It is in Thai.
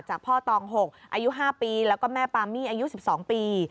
พ่อตอง๖อายุ๕ปีแล้วก็แม่ปามี่อายุ๑๒ปี